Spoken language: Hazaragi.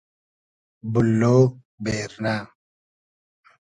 بوللۉ بېرنۂ